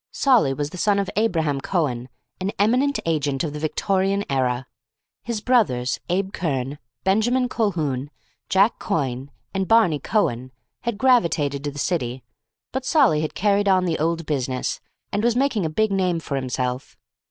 Solly was the son of Abraham Cohen, an eminent agent of the Victorian era. His brothers, Abe Kern, Benjamin Colquhoun, Jack Coyne, and Barney Cowan had gravitated to the City; but Solly had carried on the old business, and was making a big name for himself.